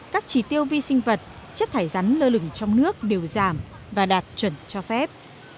các chỉ tiêu vi sinh vật chất thải rắn lơ lửng trong nước đều giảm và đạt chuẩn cho phép